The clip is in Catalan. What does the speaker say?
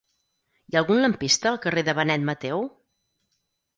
Hi ha algun lampista al carrer de Benet Mateu?